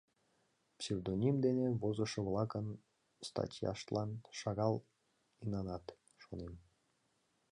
Псевдоним дене возышо-влакын статьяштлан шагал инанат, шонем.